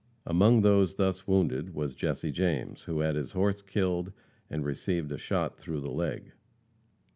Among those thus wounded was Jesse James, who had his horse killed and received a shot through the leg.